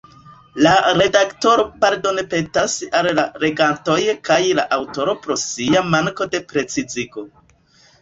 La redaktoro pardonpetas al la legantoj kaj la aŭtoro pro sia manko de precizigo.